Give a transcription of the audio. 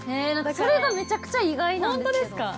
それがめちゃくちゃ意外なんですけど。